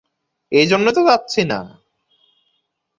এই জন্যই তো যাচ্ছি না।